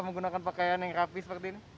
menggunakan pakaian yang rapi seperti ini